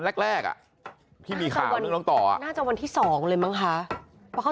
แรกอ่ะที่มีข่าวน้องต่อน่าจะวันที่๒เลยมั้งคะเพราะเขา